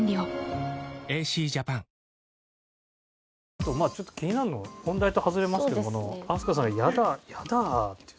あとちょっと気になるの本題と外れますけど飛鳥さんが「嫌だ」って。